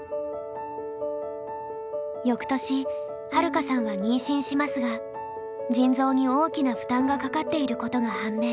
よくとしはるかさんは妊娠しますが腎臓に大きな負担がかかっていることが判明。